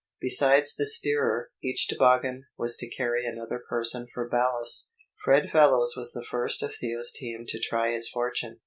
Besides the steerer each toboggan was to carry another person for ballast. Fred Fellows was the first of Theo's team to try his fortune.